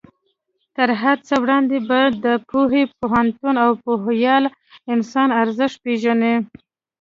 تر هر څه وړاندې به د پوهې، پوهنتون او پوهیال انسان ارزښت پېژنې.